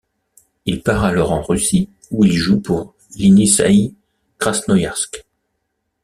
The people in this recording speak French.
Il part alors en Russie où il joue pour l'Ienisseï Krasnoïarsk.